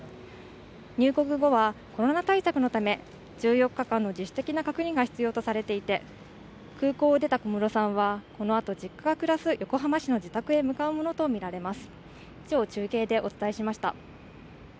入国後はコロナ対策のため１４日間の自主的な隔離が必要とされていて空港を出た小室さんは、このあと実家横浜市の自宅に向かうものとみられます。